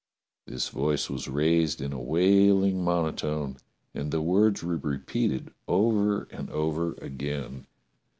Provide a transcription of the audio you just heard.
This voice was raised in a wailing monotone and the words were repeated over and over again.